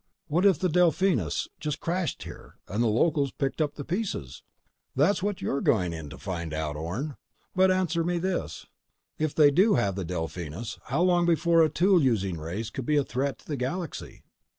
"What if the Delphinus just crashed here ... and the locals picked up the pieces?" "That's what you're going in to find out, Orne. But answer me this: If they do have the Delphinus, how long before a tool using race could be a threat to the galaxy?"